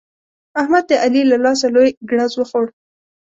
احمد د علي له لاسه لوی ګړز وخوړ.